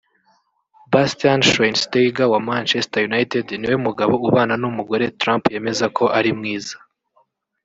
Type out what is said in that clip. Bastian Schweinsteiger wa Manchester United niwe mugabo ubana n'umugore Trump yemeza ko ari mwiza